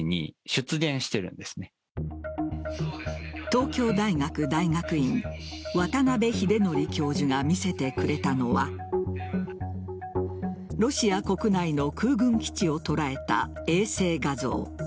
東京大学大学院渡邉英徳教授が見せてくれたのはロシア国内の空軍基地を捉えた衛星画像。